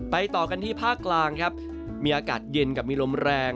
ต่อกันที่ภาคกลางครับมีอากาศเย็นกับมีลมแรง